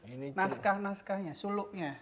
ini naskah naskahnya suluknya